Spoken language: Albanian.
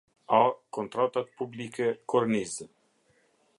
A Kontratat Publike Kornizë.